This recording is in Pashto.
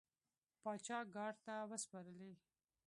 پاچا ګارد ته وسپارلې.